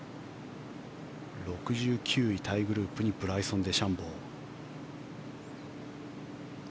６９位タイグループにブライソン・デシャンボー。